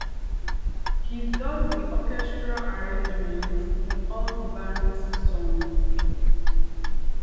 He does the orchestral arrangements in all the band's songs.